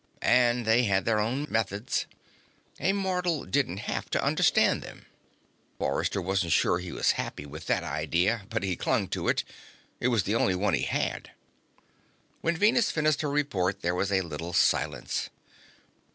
And they had their own methods. A mortal didn't have to understand them. Forrester wasn't sure he was happy with that idea, but he clung to it. It was the only one he had. When Venus finished her report, there was a little silence.